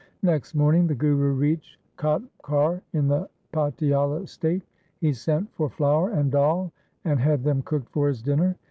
Next morning the Guru reached Khatkar in the Patiala state. He sent for flour and dal, and had them cooked for his dinner.